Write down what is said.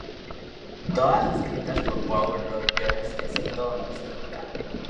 Todas escritas por Paul Rodgers, excepto donde se indica.